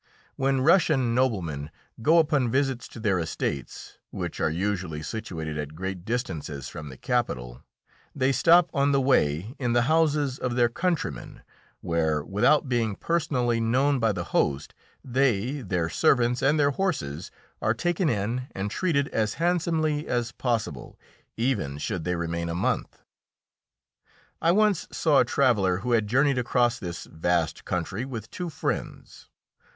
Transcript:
When Russian noblemen go upon visits to their estates, which are usually situated at great distances from the capital, they stop on the way in the houses of their countrymen, where, without being personally known by the host, they, their servants and their horses are taken in and treated as handsomely as possible, even should they remain a month. I once saw a traveller who had journeyed across this vast country with two friends.